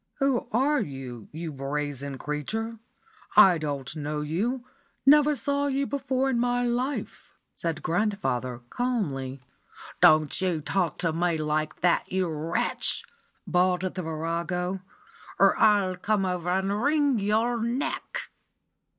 "Who are you, you brazen creature? I don't know you never saw you before in my life," said grandfather, calmly. "Don't you talk to me like that, you wretch," bawled the virago, "or I'll come over and wring your neck."